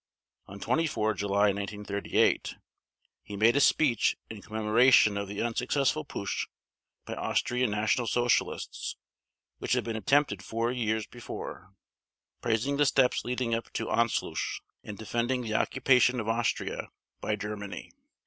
On 24 July 1938 he made a speech in commemoration of the unsuccessful putsch by Austrian National Socialists which had been attempted four years before, praising the steps leading up to Anschluss and defending the occupation of Austria by Germany.